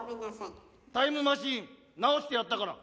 タイムマシン直してやったから。